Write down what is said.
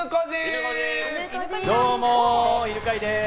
どうも、犬飼です。